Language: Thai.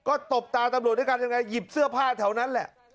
ก็ตบตาตำรวจด้วยกันยังไงหยิบเสื้อผ้าแถวนั้นแหละ